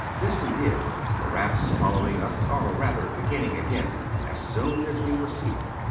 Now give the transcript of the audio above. This we did, the raps following us, or rather beginning again as soon as we were seated.